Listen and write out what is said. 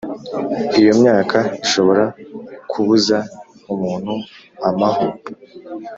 Iyo myaka ishobora kubuza umuntu amaho